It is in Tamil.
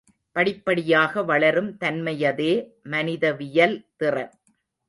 படிப்படியாக வளரும் தன்மையதே மனிதவியல் திறன்.